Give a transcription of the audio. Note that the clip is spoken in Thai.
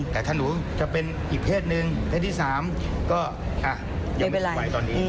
แต่ถ้าหนูจะเป็นอีกเพศหนึ่งเพศที่๓ก็ยังไม่เป็นไรตอนนี้